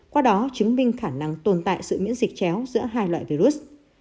qua đó chứng minh khả năng tồn tại sự miễn dịch chéo giữa hai loại virus